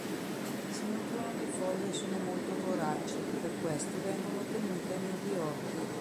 Si nutrono di foglie e sono molto voraci, per questo vengono temute negli orti.